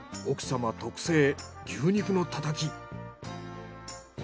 奥様特製牛肉のたたき。